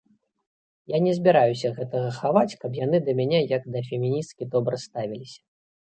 Я не збіраюся гэтага хаваць, каб яны да мяне як да феміністкі добра ставіліся.